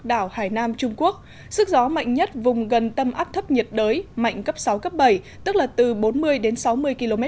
đảo hải nam trung quốc sức gió mạnh nhất vùng gần tâm áp thấp nhiệt đới mạnh cấp sáu cấp bảy tức là từ bốn mươi đến sáu mươi km